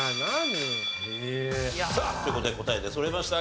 さあという事で答え出そろいましたが。